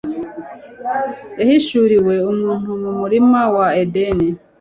Yahishuriwe umuntu mu murima wa Edeni,